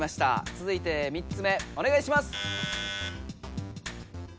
つづいて３つ目おねがいします！